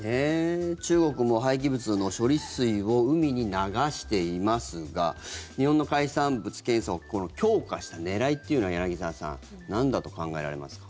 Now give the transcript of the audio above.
中国も廃棄物の処理水を海に流していますが日本の海産物検査を強化した狙いっていうのは柳澤さんなんだと考えられますか。